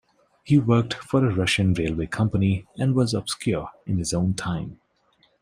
He worked for a Russian railway company and was obscure in his own time.